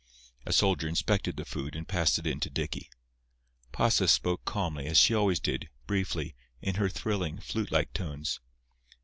A soldier inspected the food, and passed it in to Dicky. Pasa spoke calmly, as she always did, briefly, in her thrilling, flute like tones.